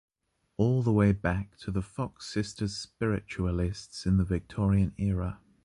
All the way back to the Fox sisters spiritualists in the Victorian era.